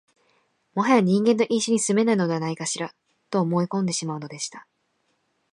もはや人間と一緒に住めないのではないかしら、と思い込んでしまうのでした